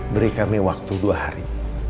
beri kami waktu dua hari